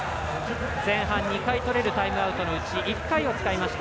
前半２回とれるタイムアウトのうち１回を使いました。